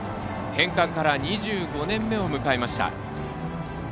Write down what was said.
返還から２５年目を迎えました。